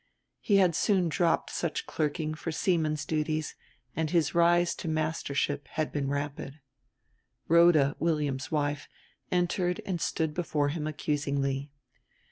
He had soon dropped such clerking for seamen's duties, and his rise to mastership had been rapid. Rhoda, William's wife, entered and stood before him accusingly.